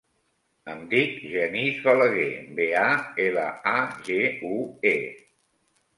Em dic Genís Balague: be, a, ela, a, ge, u, e.